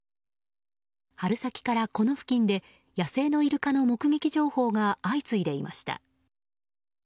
春先から、この付近で野生のイルカの目撃情報が相次いでいました。